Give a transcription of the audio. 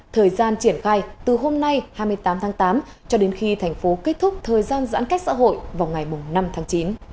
thời gian triển khai từ hôm nay hai mươi tám tháng tám cho đến khi thành phố kết thúc thời gian giãn cách xã hội vào ngày năm tháng chín